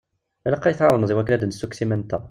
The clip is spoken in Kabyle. Ilaq ad yi-tɛawneḍ i wakken ad d-nessukkes iman-nteɣ.